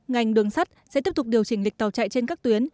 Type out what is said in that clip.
ngành đường sắt sẽ tiếp tục điều chỉnh lịch tàu chạy trên các tuyến